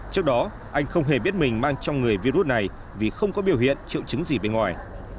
trước đó anh không hề biết mình mang trong người virus này vì không có biểu hiện triệu chứng gì bên ngoài